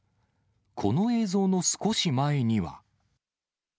この映像の少し前には。